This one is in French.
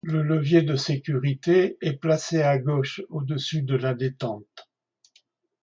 Le levier de sécurité est placé à gauche au-dessus de la détente.